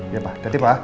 iya pak datang pak